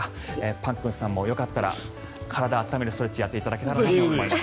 パックンさんもよかったら体を温めるストレッチをやっていただけたらと思います。